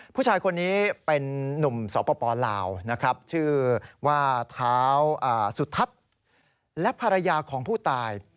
ผู้ชายคนนี้เป็นนุ่มสปลาวนะครับชื่อว่าท้าวสุทัศน์และภรรยาของผู้ตาย